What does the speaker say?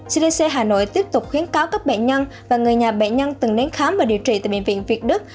cdc hà nội tiếp tục khuyến cáo các bệnh nhân và người nhà bệnh nhân từng đến khám và điều trị tại bệnh viện việt đức